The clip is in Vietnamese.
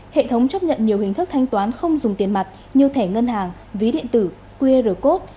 hệ thống chấp nhận nhiều hình thức thanh toán không dùng tiền mặt như thẻ ngân hàng ví điện tử qr code